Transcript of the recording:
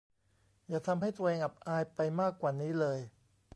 อย่าทำให้ตัวเองอับอายไปมากกว่านี้เลย